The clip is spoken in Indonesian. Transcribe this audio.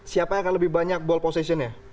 siapa yang akan lebih banyak gol posisinya